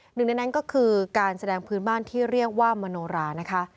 หนึ่งในนั้นก็คือการแสดงพื้นบ้านที่เรียกว่ามโนรานะคะ